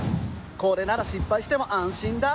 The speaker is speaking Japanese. これなら失敗しても安心だ。